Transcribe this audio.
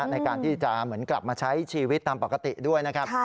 ในการที่จะเหมือนกลับมาใช้ชีวิตตามปกติด้วยนะครับ